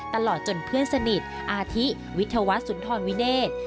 ตลอดจนเพื่อนสนิทอาทิวิทยาวัฒสุนทรวิเนศ